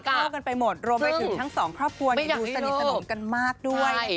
ก็เล่ากันไปหมดรวมมาถึงทั้ง๒ครอบครัวจะดูสนิทสนุนกันมากด้วย